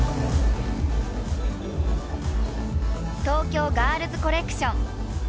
東京ガールズコレクション。